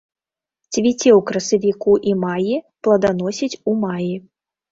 Цвіце ў красавіку і маі, плоданасіць у маі.